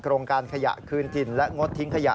โรงการขยะคืนถิ่นและงดทิ้งขยะ